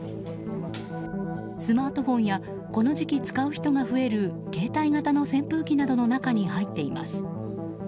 スマートフォンやこの時期使う人が増える携帯型の扇風機の中などに入っています。